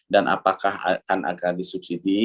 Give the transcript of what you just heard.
dan apakah akan disubsidi